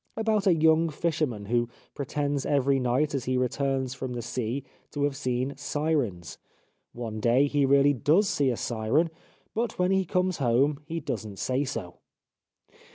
. about a young fisherman who pretends every night as he returns from the sea to have seen syrens ; one day he really does see a syren, but when he comes home he does not say so